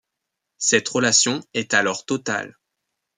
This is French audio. Cette relation est alors totale.